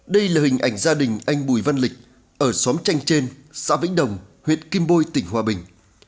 đây là hình ảnh gia đình anh bùi văn lịch ở xóm tranh trên xã vĩnh đồng huyện kim bôi tỉnh hòa bình